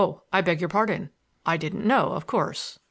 I beg your pardon. I didn't know, of course."